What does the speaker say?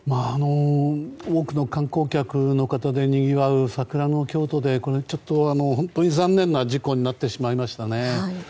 多くの観光客の方でにぎわう桜の京都で本当に残念な事故になってしまいましたね。